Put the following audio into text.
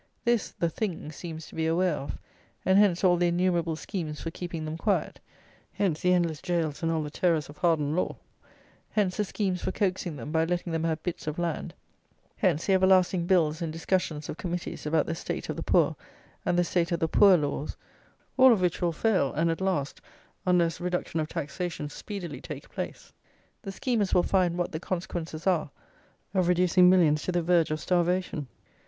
This the Thing seems to be aware of; and hence all the innumerable schemes for keeping them quiet: hence the endless jails and all the terrors of hardened law: hence the schemes for coaxing them, by letting them have bits of land: hence the everlasting bills and discussions of committees about the state of the poor, and the state of the poor laws: all of which will fail; and at last, unless reduction of taxation speedily take place, the schemers will find what the consequences are of reducing millions to the verge of starvation.